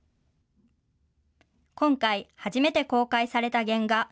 今回、初めて公開された原画。